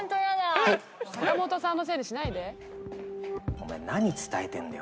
お前何伝えてんだよ。